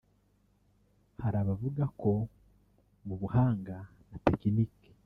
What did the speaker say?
Hari abavuga ko mu buhanga na tekiniki